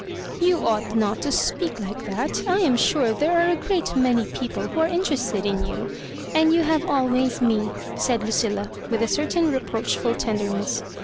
^ You ought not to speak like that; I am sure there are a great many people who are interest ed in you ; and you have always Me," said Lu cilla, with a certain reproachful tenderness.